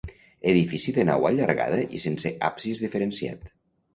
Edifici de nau allargada i sense absis diferenciat.